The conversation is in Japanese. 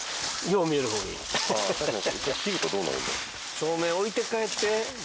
照明置いて帰って。